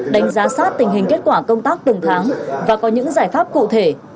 đánh giá sát tình hình kết quả công tác từng tháng và có những giải pháp cụ thể